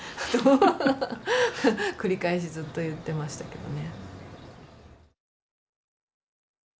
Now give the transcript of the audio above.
繰り返しずっと言ってましたけどね。